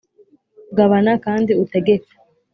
gabana kandi utegeke